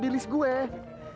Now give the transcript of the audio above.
hal yang vitamin